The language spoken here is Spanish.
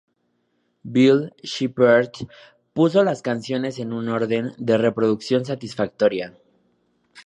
Bill Shepherd puso las canciones en un orden de reproducción satisfactoria.